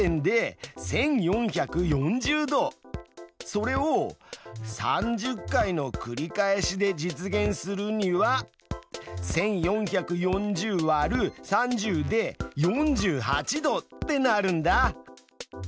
それを３０回のくり返しで実現するには１，４４０÷３０で４８度ってなるんだ。